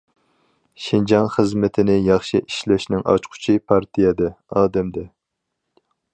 شىنجاڭ خىزمىتىنى ياخشى ئىشلەشنىڭ ئاچقۇچى پارتىيەدە، ئادەمدە.